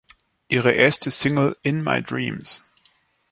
Ihre erste Single "In My Dreams".